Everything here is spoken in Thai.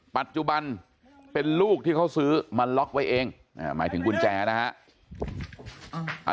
ปัจจุบันเป็นลูกที่เขาซื้อมาล็อกไว้เองหมายถึงกุญแจนะฮะ